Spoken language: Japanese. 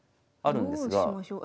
どうしましょう。